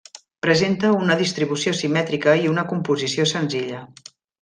Presenta una distribució simètrica i una composició senzilla.